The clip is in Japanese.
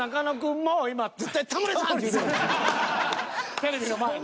テレビの前で。